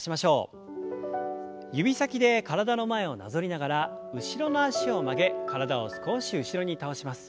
指先で体の前をなぞりながら後ろの脚を曲げ体を少し後ろに倒します。